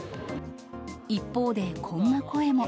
一方でこんな声も。